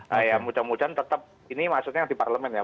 nah ya mudah mudahan tetap ini maksudnya yang di parlemen ya